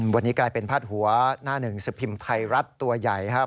วันนี้กลายเป็นพาดหัวหน้าหนึ่งสิบพิมพ์ไทยรัฐตัวใหญ่ครับ